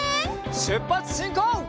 しゅっぱつしんこう！